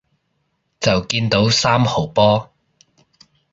就見到三號波